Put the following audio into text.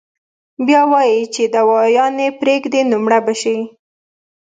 بيا وائي چې دوايانې پرېږدي نو مړه به شي -